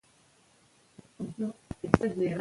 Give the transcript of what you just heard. د پروژو مدیریت پیچلی او وخت ضایع کوونکی دی.